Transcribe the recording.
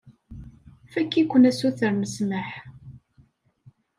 Fakk-iken asuter n ssmaḥ.